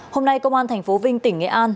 hôm nay công an tp vinh tỉnh nghệ an